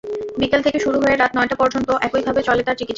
বিকেল থেকে শুরু হয়ে রাত নয়টা পর্যন্ত একইভাবে চলে তার চিকিৎসা।